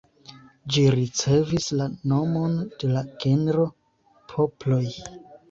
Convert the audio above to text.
Ĝi ricevis la nomon de la genro Poploj.